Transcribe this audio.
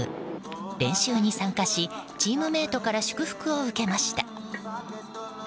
練習に参加し、チームメートから祝福を受けました。